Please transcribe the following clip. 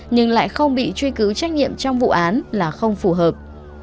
nhưng lại không bị truy cứu trách nhiệm trong vụ án là không phù hợp